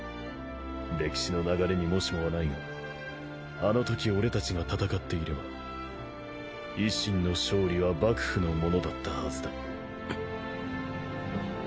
歴史の流れにもしもはないがあのとき俺たちが戦っていれば維新の勝利は幕府のものだったはずだ。